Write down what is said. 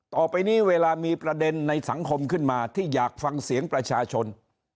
ต่อไปนี้เวลามีประเด็นในสังคมขึ้นมาที่อยากฟังเสียงประชาชน